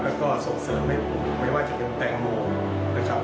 แล้วก็ส่งเสริมให้มาถึงแปลงโมล์นะครับ